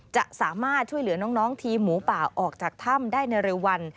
จะสามารถช่วยเหลือน้องทีมหมูป่าออกจากถ้ำได้ในเร็ววัน